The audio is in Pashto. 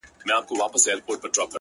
چي ستا ديدن وي پكي كور به جوړ سـي-